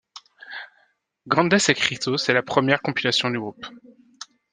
Grandes éxitos est la première compilation du groupe.